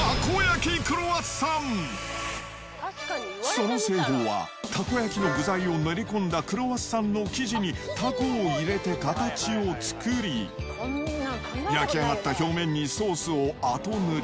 その製法は、たこ焼きの具材を練り込んだクロワッサンの生地にタコを入れて形を作り、焼き上がった表面にソースをあと塗り。